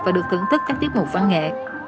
và được thưởng thức các tiết mục văn nghệ